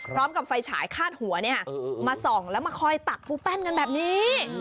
พร้อมกับไฟฉายคาดหัวมาส่องแล้วมาคอยตักปูแป้นกันแบบนี้